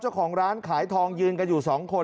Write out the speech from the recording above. เจ้าของร้านขายทองยืนกันอยู่๒คน